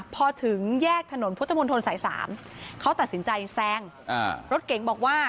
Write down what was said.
พอถึงแยกถนนพุทธมนตรสาย๓เขาตัดสินใจแซงรถเก๋งบอกว่า